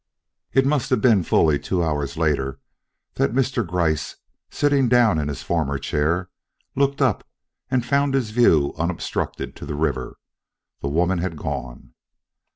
It must have been fully two hours later that Mr. Gryce, sitting down in his former chair, looked up and found his view unobstructed to the river. The woman had gone.